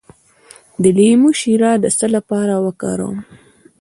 د لیمو شیره د څه لپاره وکاروم؟